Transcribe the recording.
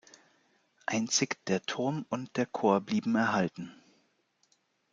Einzig der Turm und der Chor blieben erhalten.